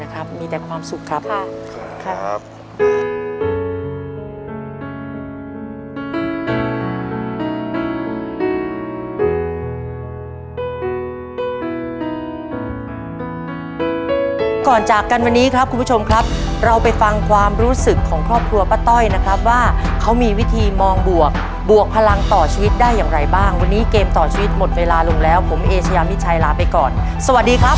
จากวันนี้ครับคุณผู้ชมครับเราไปฟังความรู้สึกของครอบครัวป้าต้อยนะครับว่าเขามีวิธีมองบวกบวกพลังต่อชีวิตได้อย่างไรบ้างวันนี้เกมต่อชีวิตหมดเวลาลงแล้วผมเอเชยามิชัยลาไปก่อนสวัสดีครับ